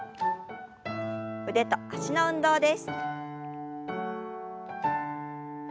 腕と脚の運動です。